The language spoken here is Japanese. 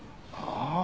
ああ。